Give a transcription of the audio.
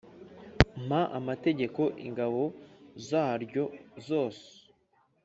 mpa amategeko ingabo zaryo zose.